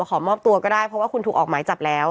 ขอมอบตัวก็ได้เพราะว่าคุณถูกออกหมายจับแล้ว